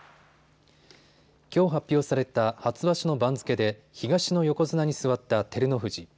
きょう発表された初場所の番付で東の横綱に座った照ノ富士。